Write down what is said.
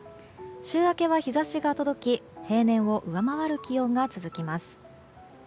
週明けは日差しが届き平年を上回る気温が続きます。